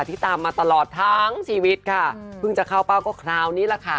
ตามมาตลอดทั้งชีวิตค่ะเพิ่งจะเข้าเป้าก็คราวนี้แหละค่ะ